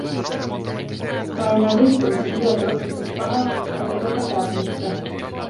Ta ei näe liitumises midagi otseselt paha, aga ega ka head mitte.